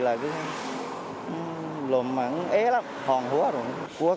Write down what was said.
lộn mặn ế lắm hoàn hố rồi